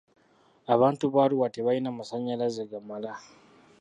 Abantu ba Arua tebalina masannyalaze gamala.